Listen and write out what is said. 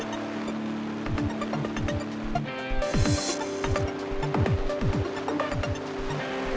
kamu mau ke rumah